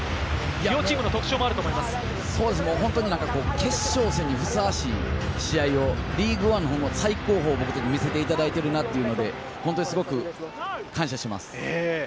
両チームの特徴もあると決勝戦にふさわしい試合をリーグワンの最高峰を見せていただいているなというので、本当にすごく感謝します。